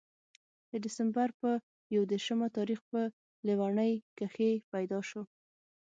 د دسمبر پۀ يو ديرشم تاريخ پۀ ليلوڼۍ کښې پېداشو